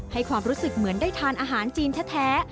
ความรู้สึกเหมือนได้ทานอาหารจีนแท้